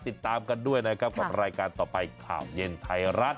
ติดตามกันด้วยนะครับกับรายการต่อไปข่าวเย็นไทยรัฐ